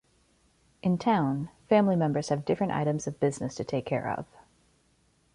In town, family members have different items of business to take care of.